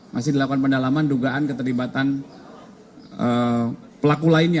masih dilakukan pendalaman dugaan keterlibatan pelaku lainnya